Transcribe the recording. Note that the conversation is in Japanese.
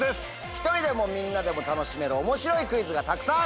一人でもみんなでも楽しめる面白いクイズがたくさん！